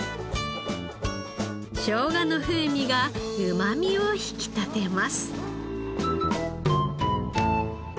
しょうがの風味がうまみを引き立てます。